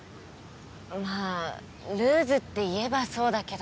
まあルーズって言えばそうだけど。